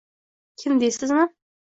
Kim deysizmi?